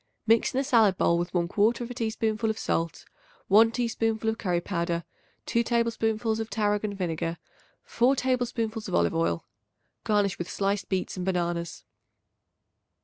Mix in a salad bowl with 1/4 teaspoonful of salt, 1 teaspoonful of curry powder, 2 tablespoonfuls of tarragon vinegar, 4 tablespoonfuls of olive oil. Garnish with sliced beets and bananas.